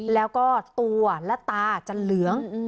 แล้วก็ตัวและตาจะเหลือง